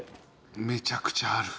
めちゃくちゃある。